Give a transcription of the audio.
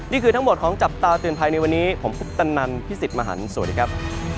นี่คือทั้งหมดของจับตาเตือนภัยในวันนี้ผมคุปตนันพี่สิทธิ์มหันฯสวัสดีครับ